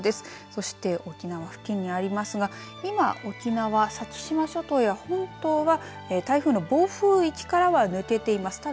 そして、沖縄付近にありますが今、沖縄、先島諸島や本島は台風の暴風域からは抜けています。